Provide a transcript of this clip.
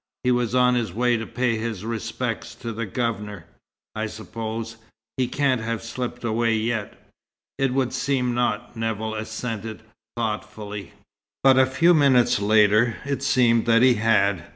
He was on his way to pay his respects to the Governor, I suppose. He can't have slipped away yet." "It would seem not," Nevill assented, thoughtfully. But a few minutes later, it seemed that he had.